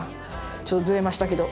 ちょっとずれましたけど。